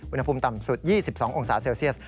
อุณหภูมิต่ำสุด๒๒องศาเซลเซียส